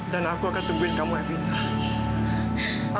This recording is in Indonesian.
dan aku akan tungguin kamu evita